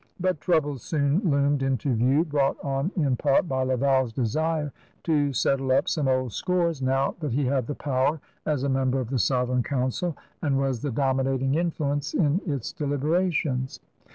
But troubles soon loomed into view, brought on in part by Laval's desire to settle up some old scores now that he had the power as a member of the Sovereign Council and was the dominating influence in its deliberations.